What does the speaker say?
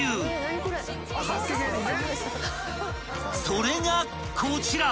［それがこちら］